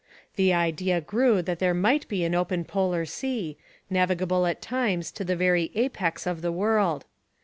The idea grew that there might be an open polar sea, navigable at times to the very apex of the world.